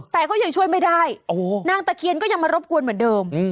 แต่ก็ยังช่วยไม่ได้นางตะเคียนก็ยังมารบกวนเหมือนเดิม